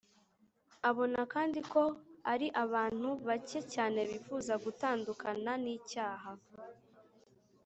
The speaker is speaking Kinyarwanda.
abona kandi ko ari abantu bacye cyane bifuza gutandukana n’icyaha